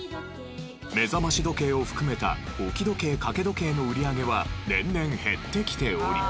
目覚まし時計を含めた置き時計掛け時計の売り上げは年々減ってきており。